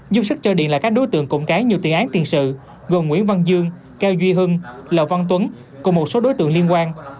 giúp sức cho điện là các đối tượng cộng cái nhiều tiền án tiền sự gồm nguyễn văn dương cao duy hưng lò văn tuấn cùng một số đối tượng liên quan